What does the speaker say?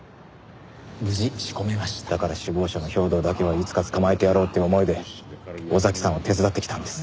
だから首謀者の兵頭だけはいつか捕まえてやろうっていう思いで尾崎さんを手伝ってきたんです。